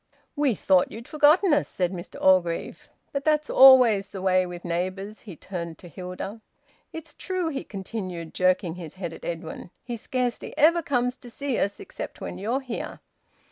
"We thought you'd forgotten us," said Mr Orgreave. "But that's always the way with neighbours." He turned to Hilda. "It's true," he continued, jerking his head at Edwin. "He scarcely ever comes to see us, except when you're here."